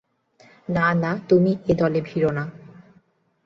না না, তুমি এ দলে ভিড়ো না!